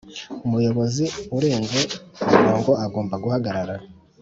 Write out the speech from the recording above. umuyobozi urenze umurongo agomba guhagarara